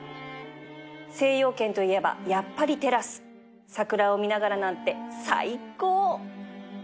精養軒といえばやっぱりテラス桜を見ながらなんて最高！